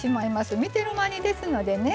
見てる間にですのでね